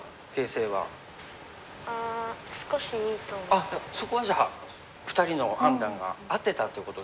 あっそこはじゃあ２人の判断が合ってたってことですね。